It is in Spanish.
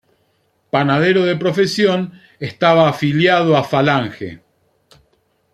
Panadero de profesión, estaba afiliado a Falange.